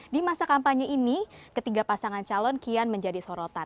di masa kampanye ini ketiga pasangan calon kian menjadi sorotan